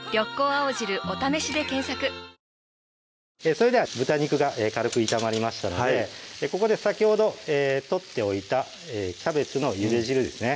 それでは豚肉が軽く炒まりましたのでここで先ほど取っておいたキャベツのゆで汁ですね